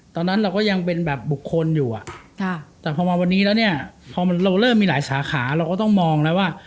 ตอนนั้นเราก็ยังเป็นแบบบุคคลอยู่แต่พอมาวันนี้แล้วเนี่ยพอเราเริ่มมีหลายสาขาเราก็ต้องมองนะว่า